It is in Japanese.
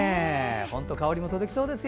香りも届きそうですよ。